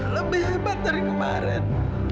lebih hebat dari kemarin